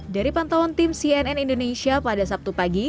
dari pantauan tim cnn indonesia pada sabtu pagi